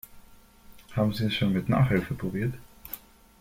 Haben Sie es schon mit Nachhilfe probiert?